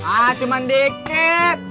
ah cuma deket